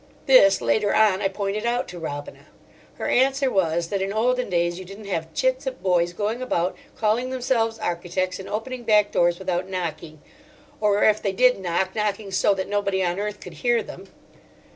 This, later on, I pointed out to Robina. Her answer was that in olden days you didn't have chits of boys going about, calling themselves architects, and opening back doors without knocking; or if they did knock, knocking so that nobody on earth could hear them.